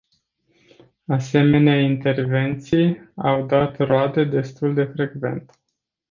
Asemenea intervenții au dat roade destul de frecvent.